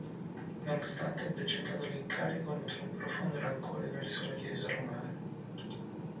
Nonostante abbia accettato l'incarico nutre un profondo rancore verso la chiesa romana.